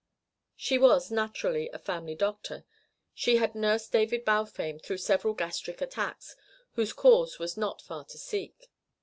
She was, naturally, the family doctor; she had nursed David Balfame through several gastric attacks, whose cause was not far to seek.